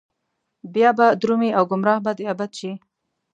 بيا به درومي او ګمراه به د ابد شي